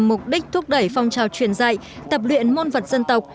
mục đích thúc đẩy phong trào truyền dạy tập luyện môn vật dân tộc